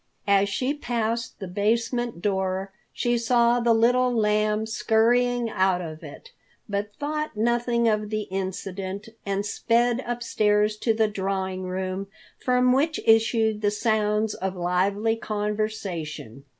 As she passed the basement door, she saw the Little Lamb scurrying out of it, but thought nothing of the incident and sped upstairs to the drawing room from which issued the sounds of lively conversation.